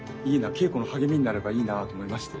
稽古の励みになればいいなと思いまして。